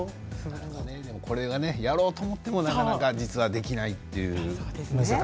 それをやろうと思ってもなかなかできないですよね。